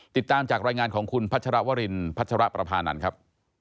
ติดตามจากรายงานของคุณพัชรวรินพัชรประพานันทร์ครับ